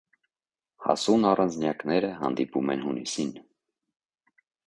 Հասուն առանձնյակները հանդիպում են հունիսին։